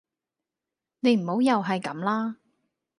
你唔好又係咁啦